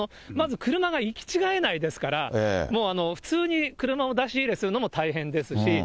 まず車が行き違えないですから、もう普通に車を出し入れするのも大変ですし。